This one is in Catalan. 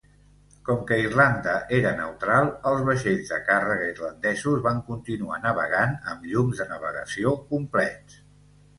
Com que Irlanda era neutral, els vaixells de càrrega irlandesos van continuar navegant amb llums de navegació complets.